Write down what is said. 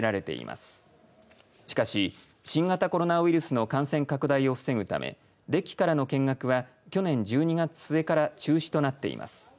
しかし、新型コロナウイルスの感染拡大を防ぐためデッキからの見学は去年１２月末から中止となっています。